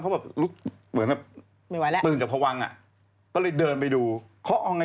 กลัวว่าผมจะต้องไปพูดให้ปากคำกับตำรวจยังไง